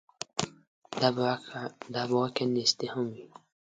دا به واقعاً نیستي هم وي.